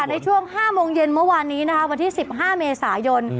ในช่วง๕โมงเย็นเมื่อวานนี้นะคะวันที่๑๕เมษายน